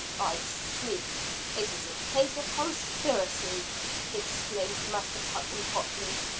"I see it is a case of conspiracy!" exclaimed Master Putnam hotly.